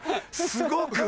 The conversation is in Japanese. すごく？